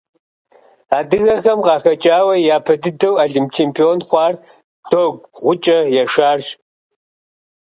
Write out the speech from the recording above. Адыгэхэм къахэкӀауэ япэ дыдэу Олимп чемпион хъуар Догу-ГъукӀэ Яшарщ.